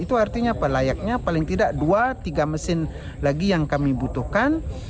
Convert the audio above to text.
itu artinya apa layaknya paling tidak dua tiga mesin lagi yang kami butuhkan